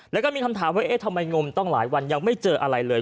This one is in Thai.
แล้วก็มีคำถามว่าเอ๊ะทำไมงมต้องหลายวันยังไม่เจออะไรเลย